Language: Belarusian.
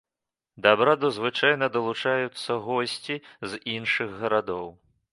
Да абраду звычайна далучаюцца госці з іншых гарадоў.